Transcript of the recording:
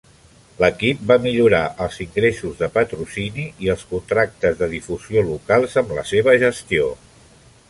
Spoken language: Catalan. L'equip va millorar els ingressos de patrocini i els contractes de difusió locals amb la seva gestió.